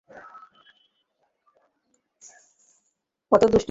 কত দুষ্টু একটা ছেলে তুমি!